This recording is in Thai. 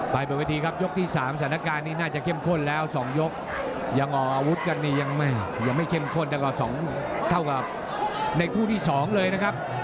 บนวิธีครับยกที่๓สถานการณ์นี้น่าจะเข้มข้นแล้ว๒ยกยังออกอาวุธกันนี่ยังไม่เข้มข้นแต่ก็เท่ากับในคู่ที่๒เลยนะครับ